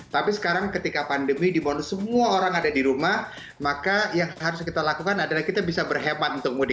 tapi sekarang ketika pandemi di monus semua orang ada di rumah maka yang harus kita lakukan adalah kita bisa berhemat untuk mudik